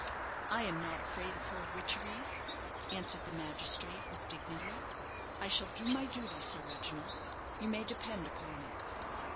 "I am not afraid of her witcheries," answered the magistrate, with dignity. "I shall do my duty, Sir Reginald, you may depend upon it."